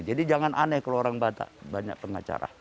jadi jangan aneh kalau orang batak banyak pengacara